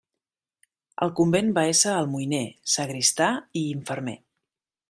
Al convent va ésser almoiner, sagristà i infermer.